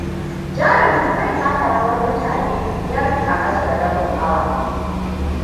Jarumin zai taka rawar mutane biyar a kasa da rabin awa.